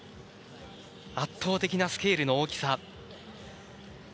圧倒的なスケールの大きさ。